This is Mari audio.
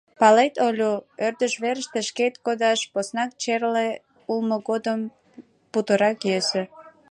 Палет, Олю, ӧрдыж верыште шкет кодаш, поснак — черле улмо годым, путырак йӧсӧ.